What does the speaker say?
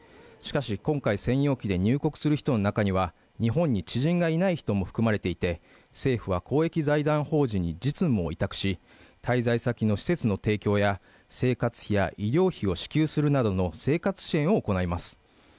しかし今回専用機で入国する人の中には日本に知人がいない人も含まれていて政府は公益財団法人実務を委託し滞在先の施設の提供や生活費や医療費を支給するなどの生活支援を行います